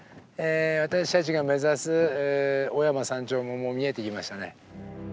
私たちが目指す雄山山頂ももう見えてきましたね。